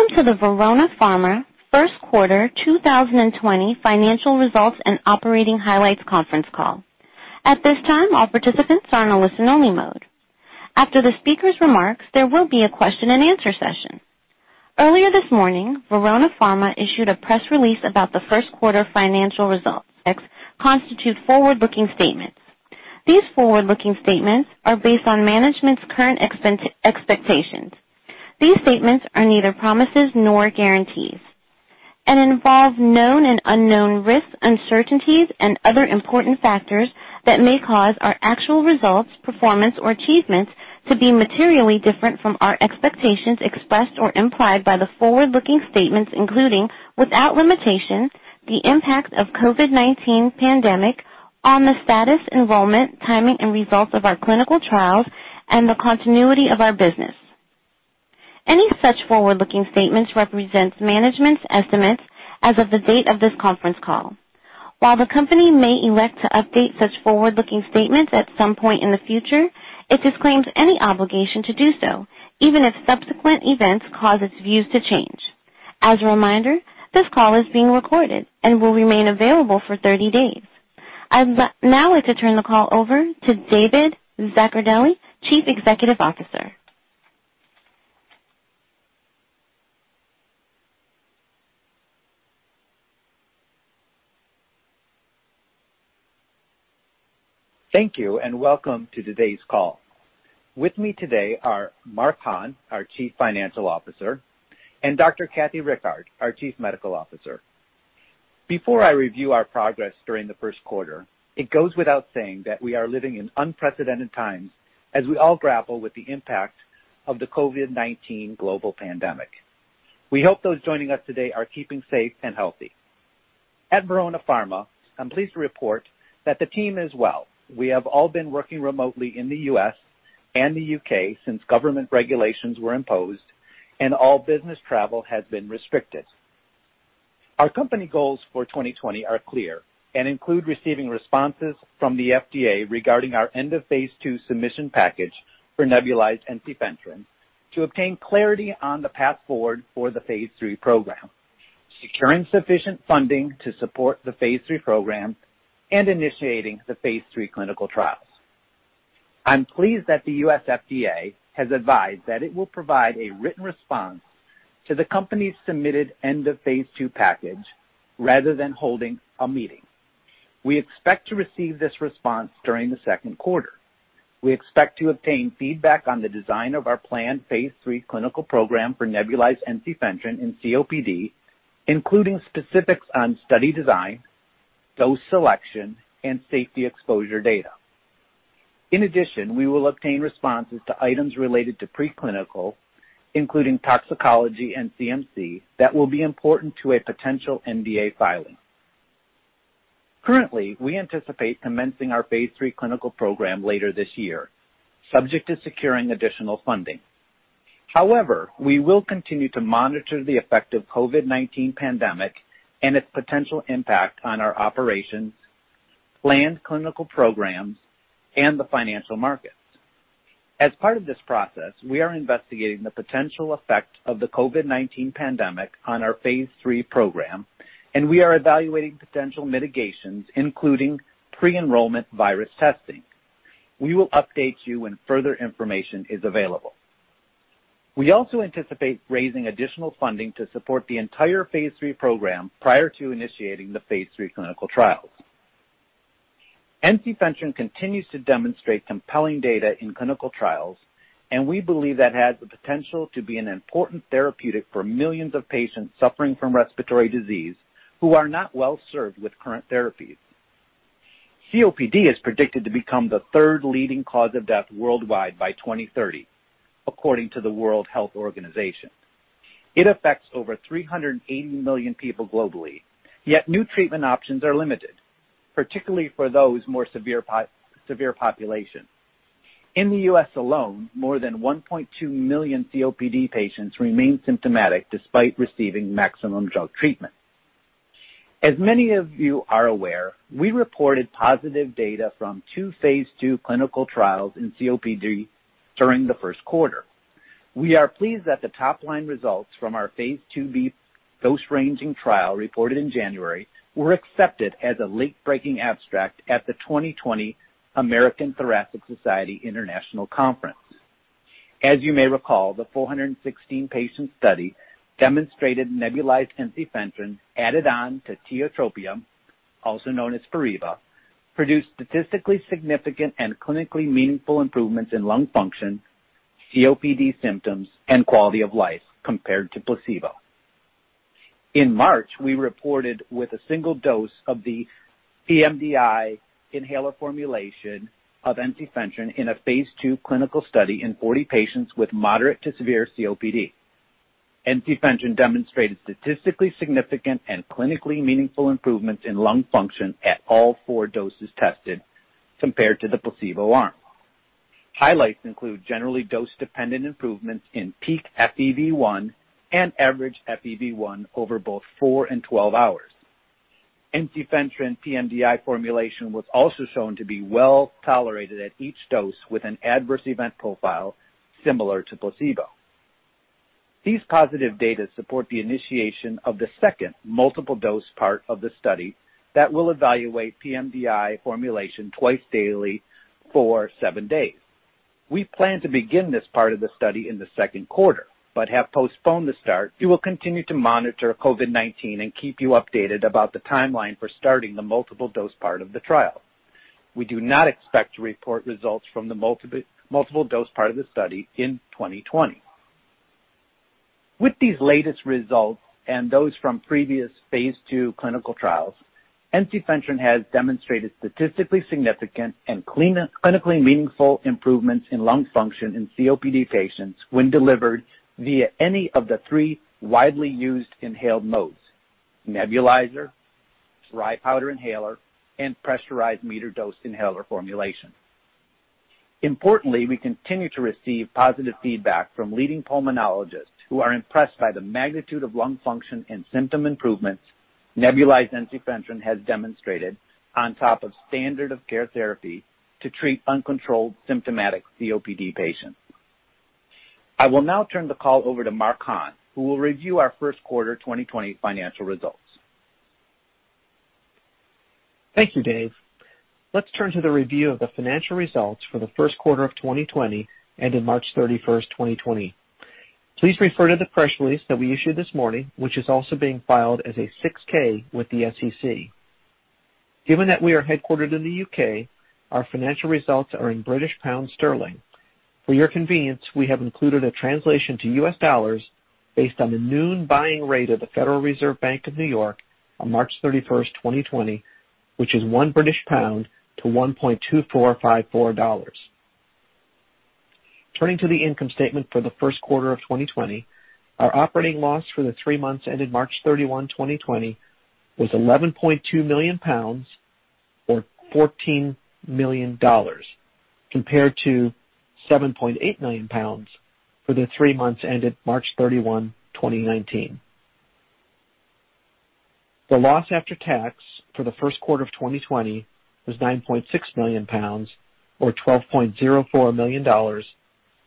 Welcome to the Verona Pharma First Quarter 2020 Financial Results and Operating Highlights Conference Call. At this time, all participants are in a listen-only mode. After the speaker's remarks, there will be a question and answer session. Earlier this morning, Verona Pharma issued a press release about the first quarter financial results. These constitute forward-looking statements. These forward-looking statements are based on management's current expectations. These statements are neither promises nor guarantees and involve known and unknown risks, uncertainties, and other important factors that may cause our actual results, performance, or achievements to be materially different from our expectations expressed or implied by the forward-looking statements, including, without limitation, the impact of COVID-19 pandemic on the status, enrollment, timing, and results of our clinical trials and the continuity of our business. Any such forward-looking statements represents management's estimates as of the date of this conference call. While the company may elect to update such forward-looking statements at some point in the future, it disclaims any obligation to do so, even if subsequent events cause its views to change. As a reminder, this call is being recorded and will remain available for 30 days. I'd now like to turn the call over to David Zaccardelli, Chief Executive Officer. Thank you, and welcome to today's call. With me today are Mark Hahn, our Chief Financial Officer, and Dr. Kathy Rickard, our Chief Medical Officer. Before I review our progress during the first quarter, it goes without saying that we are living in unprecedented times as we all grapple with the impact of the COVID-19 global pandemic. We hope those joining us today are keeping safe and healthy. At Verona Pharma, I'm pleased to report that the team is well. We have all been working remotely in the U.S. and the U.K. since government regulations were imposed and all business travel has been restricted. Our company goals for 2020 are clear and include receiving responses from the FDA regarding our end of phase II submission package for nebulized ensifentrine to obtain clarity on the path forward for the phase III program, securing sufficient funding to support the phase III program, and initiating the phase III clinical trials. I'm pleased that the U.S. FDA has advised that it will provide a written response to the company's submitted end of phase II package rather than holding a meeting. We expect to receive this response during the second quarter. We expect to obtain feedback on the design of our planned phase III clinical program for nebulized ensifentrine in COPD, including specifics on study design, dose selection, and safety exposure data. In addition, we will obtain responses to items related to preclinical, including toxicology and CMC, that will be important to a potential NDA filing. Currently, we anticipate commencing our phase III clinical program later this year, subject to securing additional funding. However, we will continue to monitor the effect of COVID-19 pandemic and its potential impact on our operations, planned clinical programs, and the financial markets. As part of this process, we are investigating the potential effect of the COVID-19 pandemic on our phase III program, and we are evaluating potential mitigations, including pre-enrollment virus testing. We will update you when further information is available. We also anticipate raising additional funding to support the entire phase III program prior to initiating the phase III clinical trials. Ensifentrine continues to demonstrate compelling data in clinical trials, and we believe that it has the potential to be an important therapeutic for millions of patients suffering from respiratory disease who are not well-served with current therapies. COPD is predicted to become the third leading cause of death worldwide by 2030, according to the World Health Organization. It affects over 380 million people globally, yet new treatment options are limited, particularly for those more severe populations. In the U.S. alone, more than 1.2 million COPD patients remain symptomatic despite receiving maximum drug treatment. As many of you are aware, we reported positive data from two phase II clinical trials in COPD during the first quarter. We are pleased that the top-line results from our phase II-B dose ranging trial reported in January were accepted as a late-breaking abstract at the 2020 American Thoracic Society International Conference. As you may recall, the 416-patient study demonstrated nebulized ensifentrine added on to tiotropium, also known as Spiriva, produced statistically significant and clinically meaningful improvements in lung function, COPD symptoms, and quality of life compared to placebo. In March, we reported with a single dose of the pMDI inhaler formulation of ensifentrine in a phase II clinical study in 40 patients with moderate to severe COPD. Ensifentrine demonstrated statistically significant and clinically meaningful improvements in lung function at all four doses tested compared to the placebo arm. Highlights include generally dose-dependent improvements in peak FEV1 and average FEV1 over both four and 12 hours. Ensifentrine pMDI formulation was also shown to be well-tolerated at each dose with an adverse event profile similar to placebo. These positive data support the initiation of the second multiple dose part of the study that will evaluate pMDI formulation twice daily for seven days. We plan to begin this part of the study in the second quarter, but have postponed the start. We will continue to monitor COVID-19 and keep you updated about the timeline for starting the multiple dose part of the trial. We do not expect to report results from the multiple dose part of the study in 2020. With these latest results and those from previous phase II clinical trials, ensifentrine has demonstrated statistically significant and clinically meaningful improvements in lung function in COPD patients when delivered via any of the three widely used inhaled modes: nebulizer, dry powder inhaler, and pressurized metered-dose inhaler formulation. Importantly, we continue to receive positive feedback from leading pulmonologists who are impressed by the magnitude of lung function and symptom improvements nebulized ensifentrine has demonstrated on top of standard of care therapy to treat uncontrolled symptomatic COPD patients. I will now turn the call over to Mark Hahn, who will review our first quarter 2020 financial results. Thank you, Dave. Let's turn to the review of the financial results for the first quarter of 2020 and in March 31, 2020. Please refer to the press release that we issued this morning, which is also being filed as a Form 6-K with the SEC. Given that we are headquartered in the U.K., our financial results are in British pound sterling. For your convenience, we have included a translation to U.S. dollars based on the noon buying rate of the Federal Reserve Bank of New York on March 31, 2020, which is 1 British pound to $1.2454. Turning to the income statement for the first quarter of 2020, our operating loss for the three months ended March 31, 2020 was 11.2 million pounds, or $14 million, compared to 7.8 million pounds for the three months ended March 31, 2019. The loss after tax for the first quarter of 2020 was 9.6 million pounds or $12.04 million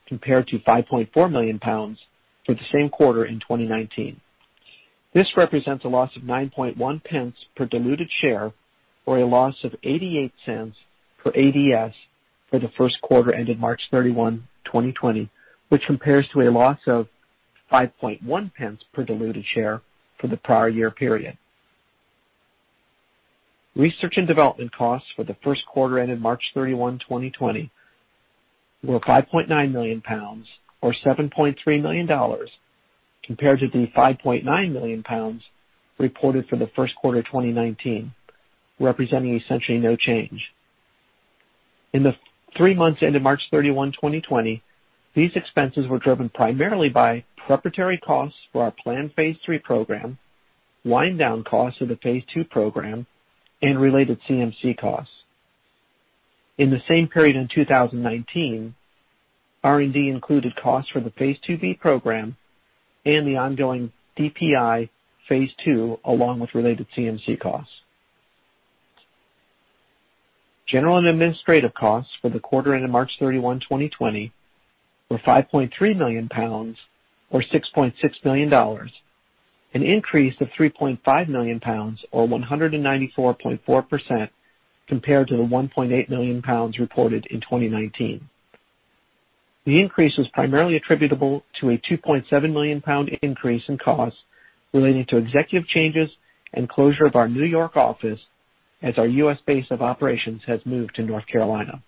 compared to 5.4 million pounds for the same quarter in 2019. This represents a loss of 0.091 per diluted share or a loss of $0.88 per ADS for the first quarter ended March 31, 2020, which compares to a loss of 0.051 per diluted share for the prior year period. Research and development costs for the first quarter ended March 31, 2020, were 5.9 million pounds or $7.3 million compared to the 5.9 million pounds reported for the first quarter 2019, representing essentially no change. In the three months ended March 31, 2020, these expenses were driven primarily by preparatory costs for our planned phase III program, wind-down costs of the phase II program, and related CMC costs. In the same period in 2019, R&D included costs for the phase II-B program and the ongoing DPI phase II along with related CMC costs. General and administrative costs for the quarter ended March 31, 2020, were 5.3 million pounds or $6.6 million, an increase of 3.5 million pounds or 194.4% compared to the 1.8 million pounds reported in 2019. The increase was primarily attributable to a 2.7 million pound increase in costs relating to executive changes and closure of our New York office as our U.S. base of operations has moved to North Carolina.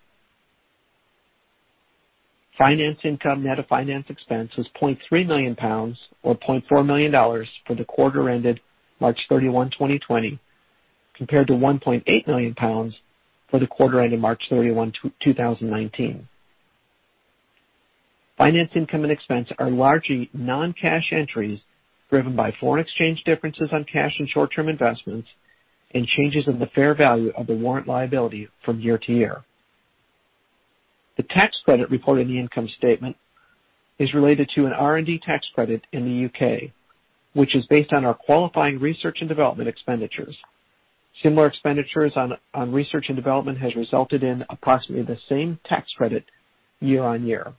Finance income net of finance expense was 0.3 million pounds, or $0.4 million for the quarter ended March 31, 2020, compared to 1.8 million pounds for the quarter ended March 31, 2019. Finance income and expense are largely non-cash entries driven by foreign exchange differences on cash and short-term investments and changes in the fair value of the warrant liability from year to year. The tax credit reported in the income statement is related to an R&D tax credit in the U.K., which is based on our qualifying research and development expenditures. Similar expenditures on research and development has resulted in approximately the same tax credit year on year.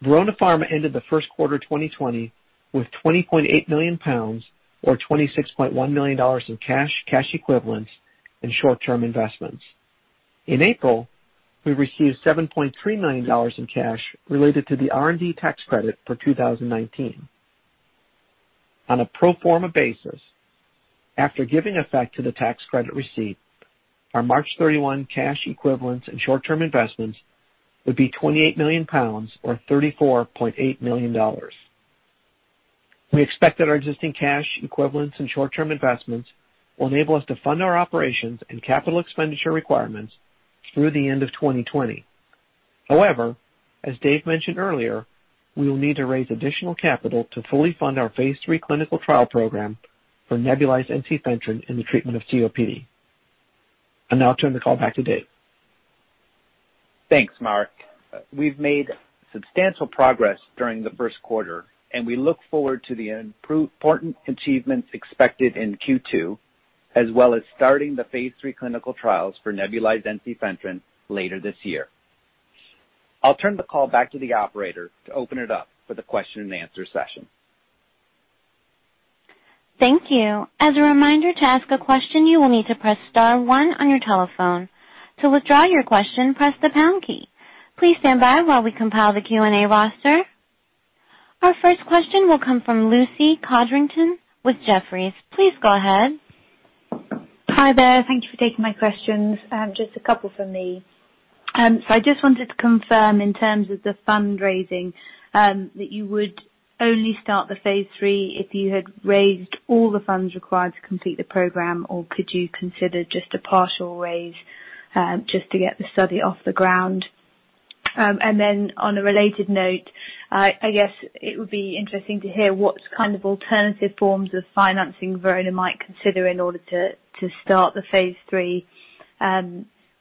Verona Pharma ended the first quarter 2020 with 20.8 million pounds or $26.1 million in cash equivalents, and short-term investments. In April, we received $7.3 million in cash related to the R&D tax credit for 2019. On a pro forma basis, after giving effect to the tax credit received, our March 31 cash equivalents and short-term investments would be 28 million pounds or $34.8 million. We expect that our existing cash equivalents and short-term investments will enable us to fund our operations and capital expenditure requirements through the end of 2020. As Dave mentioned earlier, we will need to raise additional capital to fully fund our phase III clinical trial program for nebulized ensifentrine in the treatment of COPD. I'll now turn the call back to Dave. Thanks, Mark. We've made substantial progress during the first quarter, and we look forward to the important achievements expected in Q2, as well as starting the phase III clinical trials for nebulized ensifentrine later this year. I'll turn the call back to the operator to open it up for the question and answer session. Thank you. As a reminder, to ask a question, you will need to press star one on your telephone. To withdraw your question, press the pound key. Please stand by while we compile the Q&A roster. Our first question will come from Lucy Codrington with Jefferies. Please go ahead. Hi there. Thank you for taking my questions. Just a couple from me. I just wanted to confirm in terms of the fundraising, that you would only start the phase III if you had raised all the funds required to complete the program, or could you consider just a partial raise, just to get the study off the ground? On a related note, I guess it would be interesting to hear what kind of alternative forms of financing Verona might consider in order to start the phase III.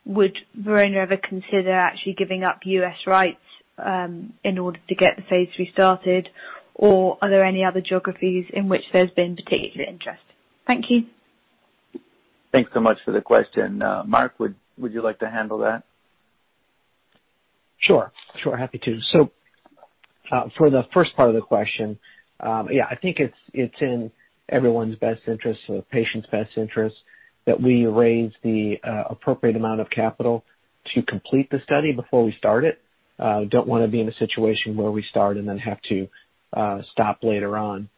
Would Verona ever consider actually giving up U.S. rights in order to get the phase III started? Are there any other geographies in which there's been particular interest? Thank you. Thanks so much for the question. Mark, would you like to handle that? Sure. Happy to. For the first part of the question, I think it's in everyone's best interest or the patient's best interest that we raise the appropriate amount of capital to complete the study before we start it. Don't want to be in a situation where we start and then have to stop later on.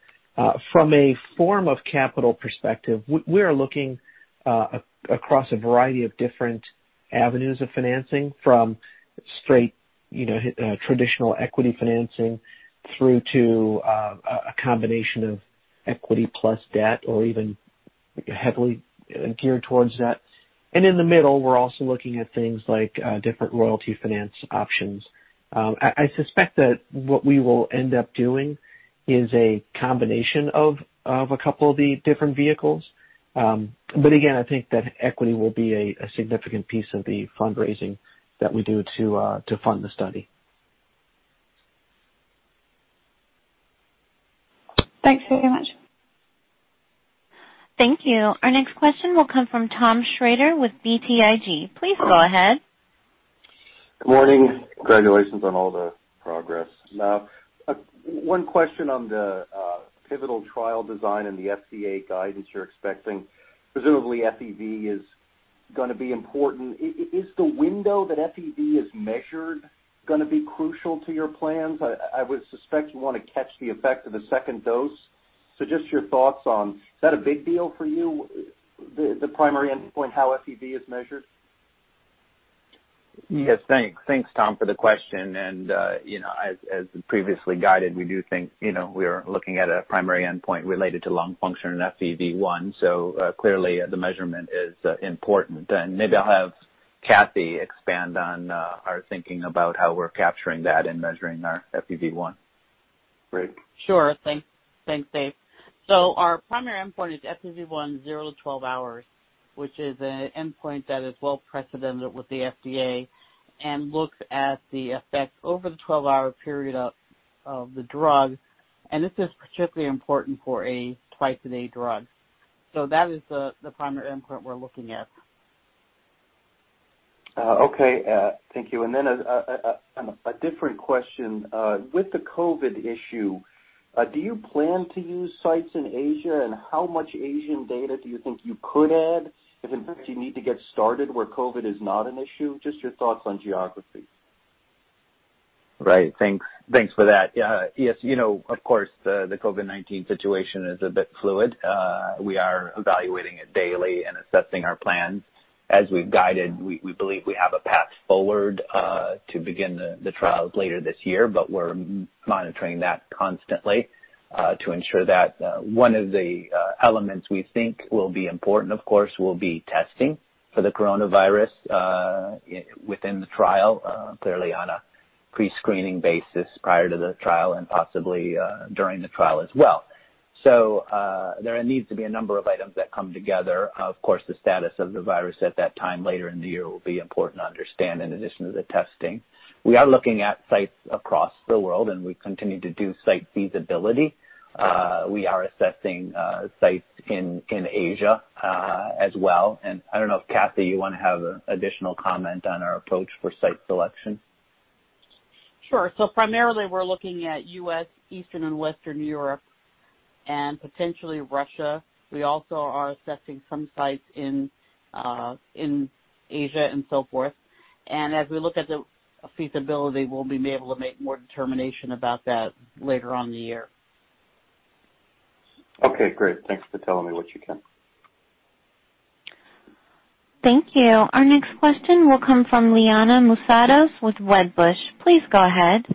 From a form of capital perspective, we are looking across a variety of different avenues of financing from straight traditional equity financing through to a combination of equity plus debt or even heavily geared towards that. In the middle, we're also looking at things like different royalty finance options. I suspect that what we will end up doing is a combination of a couple of the different vehicles. Again, I think that equity will be a significant piece of the fundraising that we do to fund the study. Thanks very much. Thank you. Our next question will come from Tom Schrader with BTIG. Please go ahead. Good morning. Congratulations on all the progress. One question on the pivotal trial design and the FDA guidance you're expecting. Presumably FEV1 is going to be important. Is the window that FEV1 is measured going to be crucial to your plans? I would suspect you want to catch the effect of the second dose. Just your thoughts on, is that a big deal for you, the primary endpoint, how FEV1 is measured? Yes. Thanks, Tom, for the question. As previously guided, we do think we are looking at a primary endpoint related to lung function in FEV1. Clearly the measurement is important. Maybe I'll have Kathy expand on our thinking about how we're capturing that and measuring our FEV1. Kathy? Sure. Thanks, Dave. Our primary endpoint is FEV1 0-to-12 hours, which is an endpoint that is well precedented with the FDA and looks at the effect over the 12-hour period of the drug. This is particularly important for a twice-a-day drug. That is the primary endpoint we're looking at. Okay. Thank you. A different question. With the COVID issue, do you plan to use sites in Asia, and how much Asian data do you think you could add if in fact you need to get started where COVID is not an issue? Just your thoughts on geography. Right. Thanks for that. Yes, of course, the COVID-19 situation is a bit fluid. We are evaluating it daily and assessing our plans. As we've guided, we believe we have a path forward to begin the trials later this year, but we're monitoring that constantly to ensure that one of the elements we think will be important, of course, will be testing for the coronavirus within the trial, clearly on a pre-screening basis prior to the trial and possibly during the trial as well. There needs to be a number of items that come together. Of course, the status of the virus at that time later in the year will be important to understand in addition to the testing. We are looking at sites across the world, and we continue to do site feasibility. We are assessing sites in Asia as well. I don't know if, Kathy, you want to have additional comment on our approach for site selection? Sure. Primarily we're looking at U.S., Eastern and Western Europe, and potentially Russia. We also are assessing some sites in Asia and so forth. As we look at the feasibility, we'll be able to make more determination about that later on in the year. Okay, great. Thanks for telling me what you can. Thank you. Our next question will come from Liana Moussatos with Wedbush. Please go ahead.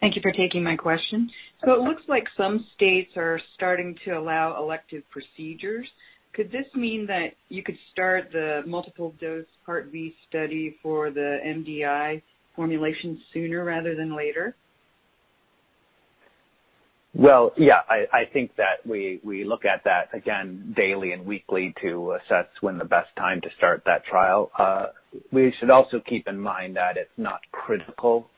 Thank you for taking my question. It looks like some states are starting to allow elective procedures. Could this mean that you could start the multiple-dose Part B study for the MDI formulation sooner rather than later? Well, yeah. I think that we look at that, again, daily and weekly to assess when the best time to start that trial. We should also keep in mind that it's not critical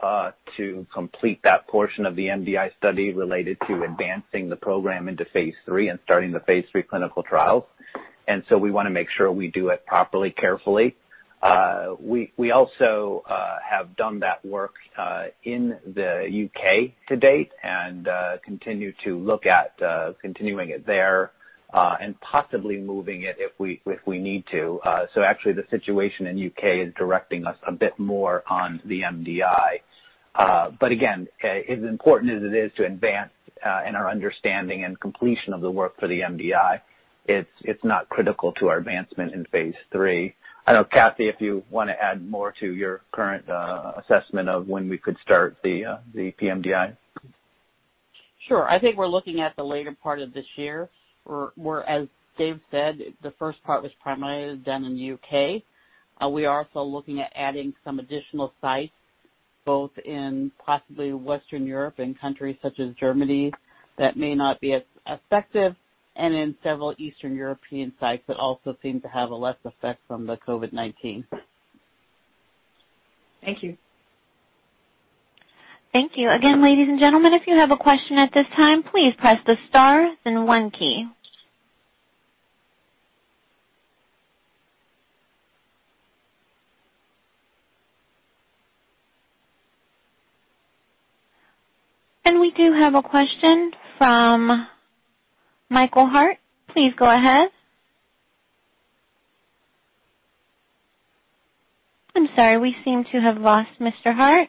to complete that portion of the MDI study related to advancing the program into phase III and starting the phase III clinical trials. We want to make sure we do it properly, carefully. We also have done that work in the U.K. to date and continue to look at continuing it there, and possibly moving it if we need to. Actually the situation in U.K. is directing us a bit more on the MDI. Again, as important as it is to advance in our understanding and completion of the work for the MDI, it's not critical to our advancement in phase III. I know, Kathy, if you want to add more to your current assessment of when we could start the pMDI. Sure. I think we're looking at the later part of this year. As Dave said, the first part was primarily done in the U.K. We are also looking at adding some additional sites, both in possibly Western Europe and countries such as Germany that may not be as effective, and in several Eastern European sites that also seem to have a less effect from the COVID-19. Thank you. Thank you. Again, ladies and gentlemen, if you have a question at this time, please press the star then one key. We do have a question from Michael Hart. Please go ahead. I'm sorry, we seem to have lost Mr. Hart,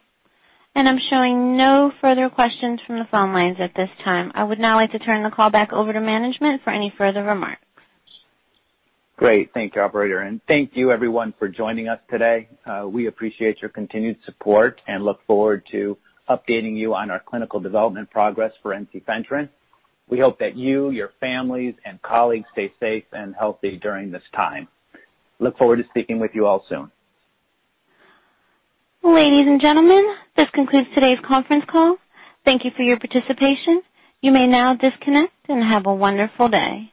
and I'm showing no further questions from the phone lines at this time. I would now like to turn the call back over to management for any further remarks. Great. Thank you, operator, and thank you everyone for joining us today. We appreciate your continued support and look forward to updating you on our clinical development progress for ensifentrine. We hope that you, your families, and colleagues stay safe and healthy during this time. Look forward to speaking with you all soon. Ladies and gentlemen, this concludes today's conference call. Thank you for your participation. You may now disconnect and have a wonderful day.